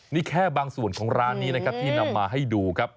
นี่แค่บางส่วนของร้านนี้นะครับที่นำมาให้ดูครับ